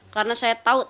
karena saya tahu